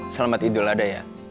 selamat idul ada ya